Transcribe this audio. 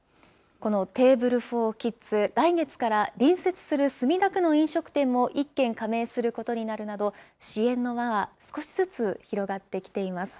このＴａｂｌｅｆｏｒＫｉｄｓ、来月から隣接する墨田区の飲食店も１軒加盟することになるなど、支援の輪は少しずつ広がってきています。